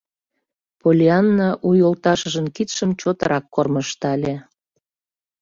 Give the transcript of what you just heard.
Поллианна у йолташыжын кидшым чотрак кормыжтале.